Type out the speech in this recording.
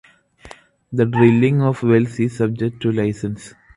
The drilling of wells is subject to license.